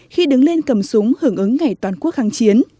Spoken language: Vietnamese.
khi đứng lên cầm súng hưởng ứng ngày toàn quốc kháng chiến